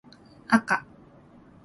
あか